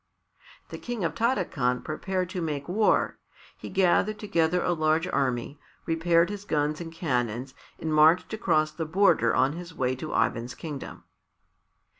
The King of Tarakan prepared to make war. He gathered together a large army, repaired his guns and cannons and marched across the border on his way to Ivan's kingdom.